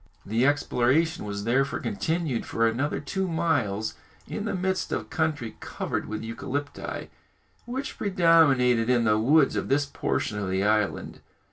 The exploration was therefore continued for another two miles in the midst of country covered with eucalypti, which predominated in the woods of this portion of the island.